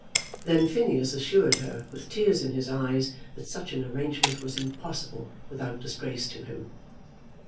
Then Phineas assured her with tears in his eyes that such an arrangement was impossible without disgrace to him.